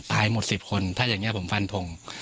หมด๑๐คนถ้าอย่างนี้ผมฟันทง